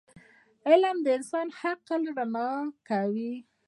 علم د انسان عقل رڼا کوي.